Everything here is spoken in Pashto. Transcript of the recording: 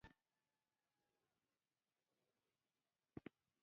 ماشومان د ژوند ډالۍ دي .